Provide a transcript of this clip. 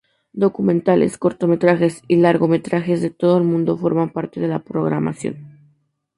Documentales, cortometrajes y largometrajes de todo el mundo forman parte de la programación.